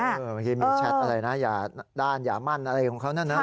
เมื่อกี้มีแชทอะไรนะอย่าด้านอย่ามั่นอะไรของเขานั่นนะ